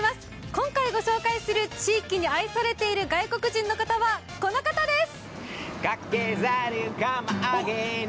今回御紹介する地域に愛されている外国人の方は、この方です。